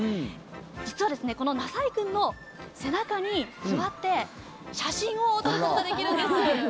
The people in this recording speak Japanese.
実は、なさいくんの背中に座って写真を撮ることができるんです。